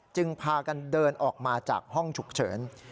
พากันเดินออกมาจากห้องฉุกเฉิน